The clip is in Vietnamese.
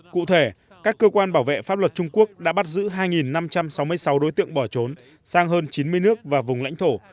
cụ thể các cơ quan bảo vệ pháp luật trung quốc đã bắt giữ hai năm trăm sáu mươi sáu đối tượng bỏ trốn sang hơn chín mươi nước và vùng lãnh thổ